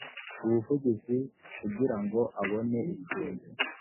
ubuvugizi kugira ngo abone icumbi